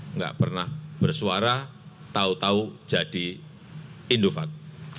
enggak pernah bersuara tau tau jadi indovac